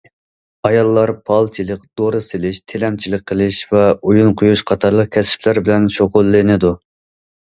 ئاياللار پالچىلىق، دورا سېتىش، تىلەمچىلىك قىلىش ۋە ئويۇن قويۇش قاتارلىق كەسىپلەر بىلەن شۇغۇللىنىدۇ.